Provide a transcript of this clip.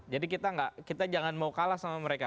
jadi kita jangan mau kalah sama mereka